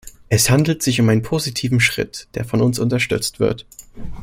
Es handelt sich um einen positiven Schritt, der von uns unterstützt wird.